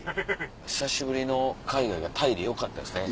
久しぶりの海外がタイでよかったですね。